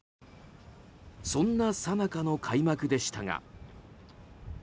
そんなさなかの開幕でしたが。